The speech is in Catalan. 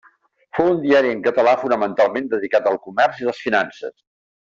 Fou un diari en català fonamentalment dedicat al comerç i les finances.